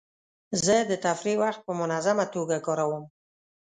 زه د تفریح وخت په منظمه توګه کاروم.